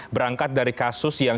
berangkat dari kasus yang